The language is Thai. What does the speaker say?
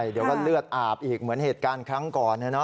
เดี๋ยวก็เลือดอาบอีกเหมือนเหตุการณ์ครั้งก่อน